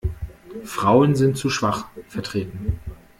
Frauen sind zu schwach vertreten.